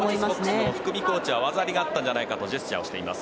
福見コーチは技ありがあったんじゃないかとアピールしています。